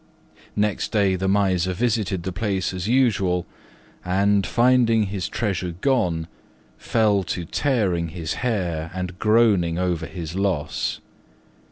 Next day the Miser visited the place as usual, and, finding his treasure gone, fell to tearing his hair and groaning over his loss.